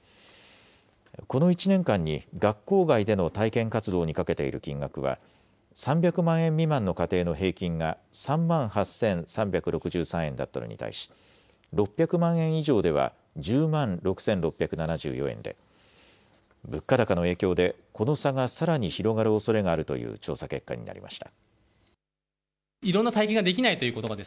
この１年間に学校外での体験活動にかけている金額は３００万円未満の家庭の平均が３万８３６３円だったのに対し６００万円以上では１０万６６７４円で物価高の影響でこの差がさらに広がるおそれがあるという調査結果になりました。